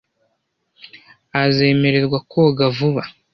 Azemererwa koga vuba.